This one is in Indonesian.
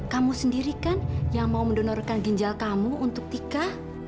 kamu sendiri kan yang mau mendonorkan ginjal kamu untuk tika